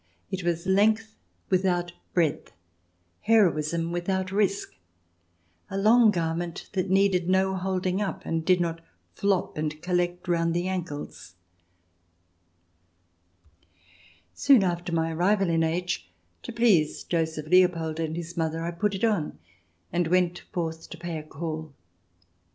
It was length without breadth, heroism without risk, a long garment that needed no holding up, and did not flop and collect round the ankles. 24 THE DESIRABLE ALIEN [ch. ii Soon after my arrival in H , to please Joseph Leopold and his mother, I put it on, and went forth to pay a call.